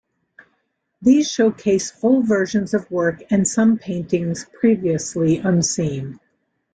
These showcase full versions of work and some paintings previously unseen.